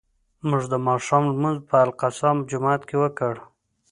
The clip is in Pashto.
موږ د ماښام لمونځ په الاقصی جومات کې وکړ.